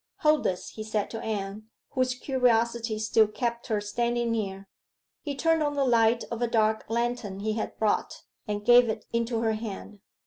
'Hold this,' he said to Anne, whose curiosity still kept her standing near. He turned on the light of a dark lantern he had brought, and gave it into her hand.